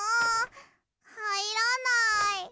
はいらない。